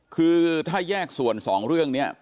คือถ้าแยกส่วนสองเรื่องนี้